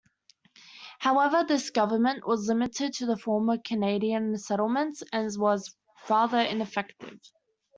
However, this government was limited to the former Canadien settlements and was rather ineffective.